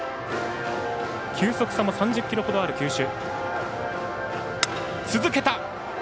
球速差も３０キロほどある球種。